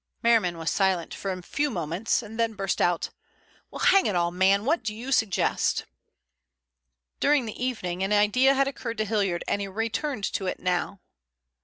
Merriman was silent for a few moments, then burst out: "Well, hang it all, man, what do you suggest?" During the evening an idea had occurred to Hilliard and he returned to it now.